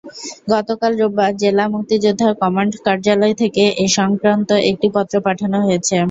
গতকাল রোববার জেলা মুক্তিযোদ্ধা কমান্ড কার্যালয় থেকে এ-সংক্রান্ত একটি পত্র পাঠানো হয়েছে।